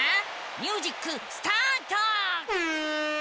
ミュージックスタート！